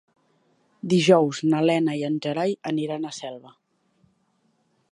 Dijous na Lena i en Gerai aniran a Selva.